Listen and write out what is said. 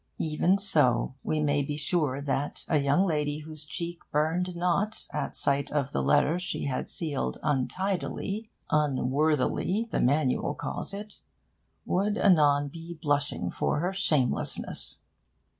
Even so, we may be sure that a young lady whose cheek burned not at sight of the letter she had sealed untidily 'unworthily' the Manual calls it would anon be blushing for her shamelessness.